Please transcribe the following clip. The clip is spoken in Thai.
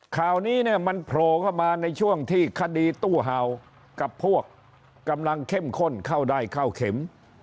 ข่าวนี้เนี่ยมันโผล่เข้ามาในช่วงที่คดีตู้เห่ากับพวกกำลังเข้มข้นเข้าได้เข้าเข็ม